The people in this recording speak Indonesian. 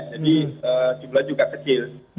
jadi jumlah juga kecil